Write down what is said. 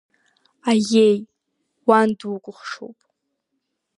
Аиеи, уан дукәыхшоуп.